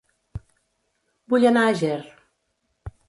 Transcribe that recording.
Vull anar a Ger